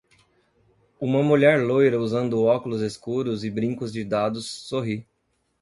Uma mulher loira usando óculos escuros e brincos de dados sorri.